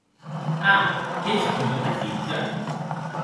A, qu'ès tu, Rakitka?